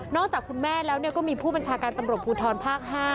จากคุณแม่แล้วก็มีผู้บัญชาการตำรวจภูทรภาค๕